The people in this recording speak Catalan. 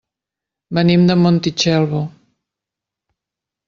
Venim de Montitxelvo.